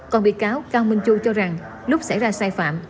còn bị cáo cao minh châu cho rằng lúc xảy ra sai phạm